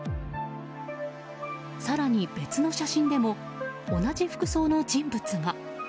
更に、別の写真でも同じ服装の人物が。